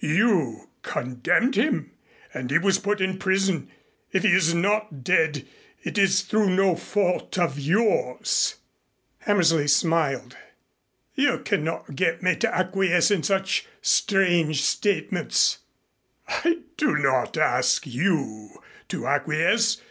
You condemned him and he was put in prison. If he is not dead it is through no fault of yours." Hammersley smiled. "You cannot get me to acquiesce in such strange statements." "I do not ask you to acquiesce.